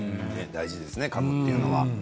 大事ですね、かむというのは。